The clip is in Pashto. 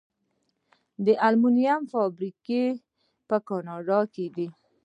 د المونیم فابریکې په کاناډا کې دي.